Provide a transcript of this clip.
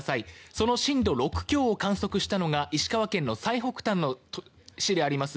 その震度６強を観測したのは石川県の最北端の市であります